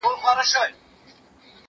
زه هره ورځ د زده کړو تمرين کوم!؟